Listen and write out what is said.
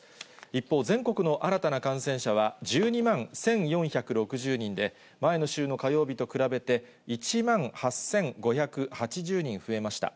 一方、全国の新たな感染者は、１２万１４６０人で、前の週の火曜日と比べて１万８５８０人増えました。